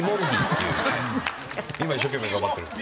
今一生懸命頑張ってる。